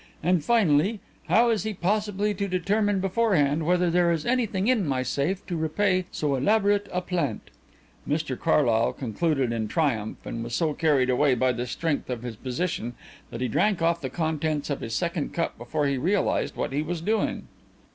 And, finally, how is he possibly to determine beforehand whether there is anything in my safe to repay so elaborate a plant?" Mr Carlyle concluded in triumph and was so carried away by the strength of his position that he drank off the contents of his second cup before he realized what he was doing.